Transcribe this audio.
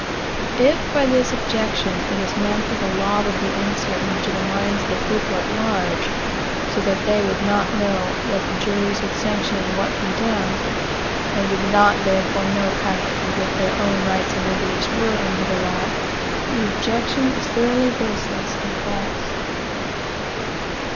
If, by this objection, it be meant that the law would be uncertain to the minds of the people at large, so that they would not know what the juries would sanction and what condemn, and would not therefore know practically what their own rights and liberties were under the law, the objection is thoroughly baseless and false.